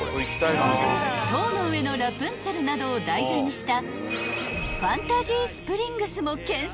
［『塔の上のラプンツェル』などを題材にした］